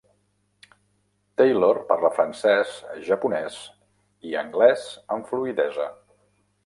Taylor parla francès, japonès i anglès amb fluïdesa.